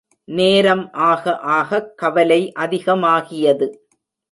நேரம் ஆக ஆகக் கவலை அதிகமாகியது.